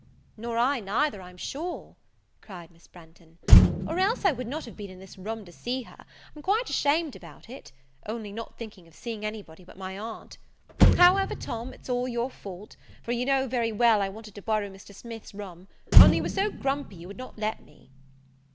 "Nor I neither, I'm sure," cried Miss Branghton, "or else I would not have been in this room to see her: I'm quite ashamed about it; only not thinking of seeing any body but my aunt however, Tom, it's all your fault; for, you know very well I wanted to borrow Mr. Smith's room, only you were so grumpy you would not let me."